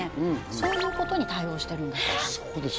そういうことに対応してるんだそうです